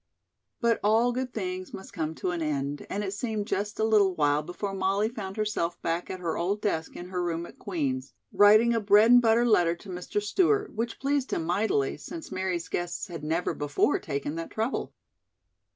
But all good things must come to an end, and it seemed just a little while before Molly found herself back at her old desk in her room at Queen's, writing a "bread and butter" letter to Mr. Stewart, which pleased him mightily, since Mary's guests had never before taken that trouble.